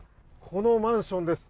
このマンションです。